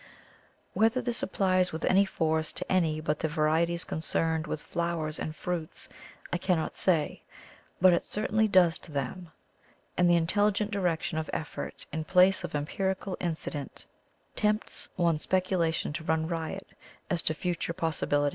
Whether this applies with any force to any but the varieties concerned with flowers and fruits I cannot say, but it certainly does to them, and the intelligent direction of effort in place of empirical incident tempts one's speculation to run riot as to future possi bilities.